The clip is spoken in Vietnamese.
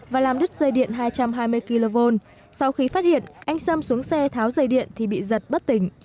và làm đứt dây điện hai trăm hai mươi kv sau khi phát hiện anh sâm xuống xe tháo dây điện thì bị giật bất tỉnh